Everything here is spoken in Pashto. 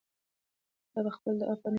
زه به خپله دعا په نیمه شپه کې کوم.